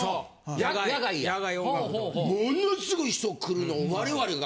ものすごい人来るのを我々が。